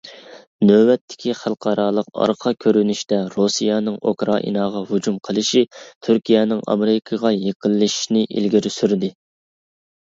نۆۋەتتىكى خەلقئارالىق ئارقا كۆرۈنۈشتە، رۇسىيەنىڭ ئۇكرائىناغا ھۇجۇم قىلىشى تۈركىيەنىڭ ئامېرىكىغا يېقىنلىشىشنى ئىلگىرى سۈردى.